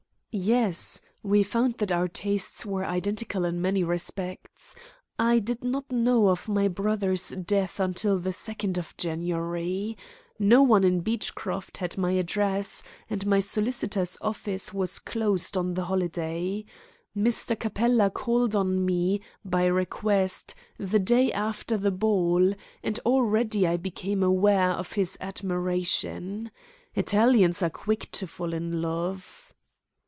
"Yes. We found that our tastes were identical in many respects. I did not know of my brother's death until the 2nd of January. No one in Beechcroft had my address, and my solicitor's office was closed on the holiday. Mr. Capella called on me, by request, the day after the ball, and already I became aware of his admiration. Italians are quick to fall in love."